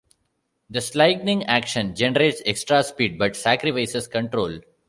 The slinging action generates extra speed, but sacrifices control.